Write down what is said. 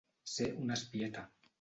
Ser un espieta.